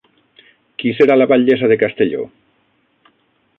Qui serà la batllessa de Castelló?